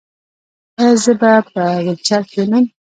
ایا زه به په ویلچیر کینم؟